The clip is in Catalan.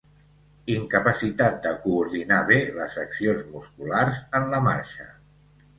Incapacitat de coordinar bé les accions musculars en la marxa.